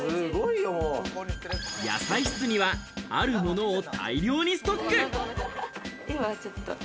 野菜室にはあるものを大量にストック。